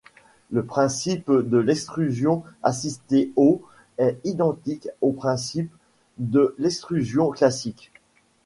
Le principe de l'extrusion assistée eau est identique au principe de l'extrusion classique.